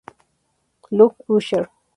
Luke Usher.